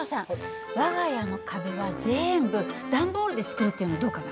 我が家の壁は全部段ボールで作るっていうのはどうかな？